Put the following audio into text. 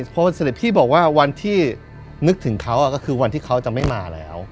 พอวันเสร็จพี่บอกว่าวันที่นึกถึงเขาก็คือวันที่เขาจะไม่มาแล้ว